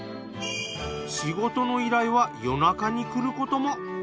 仕事の依頼は夜中にくることも。